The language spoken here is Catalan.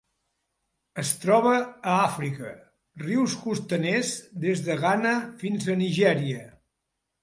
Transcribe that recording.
Es troba a Àfrica: rius costaners des de Ghana fins a Nigèria.